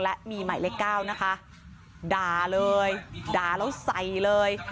และมีหมายเลขเก้านะคะด่าเลยด่าแล้วใส่เลย